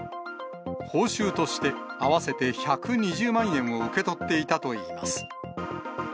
報酬として合わせて１２０万円を受け取っていたといいます。